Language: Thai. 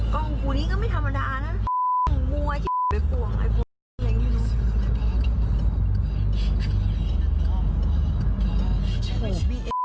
กล้องกวุนี้ก็ไม่ธรรมดานะนู้งอยากแบบอย่างงั้น